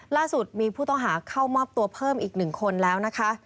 ล่าสุดมีผู้ต้องหาเข้ามอบตัวเพิ่มอีก๑คนแล้วนะคะ